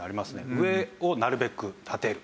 上をなるべく立てる。